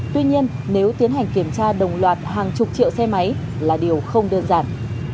tuy nhiên nếu tiến hành kiểm tra đồng loạt hàng chục triệu xe máy là điều không đơn giản